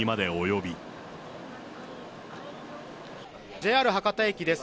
ＪＲ博多駅です。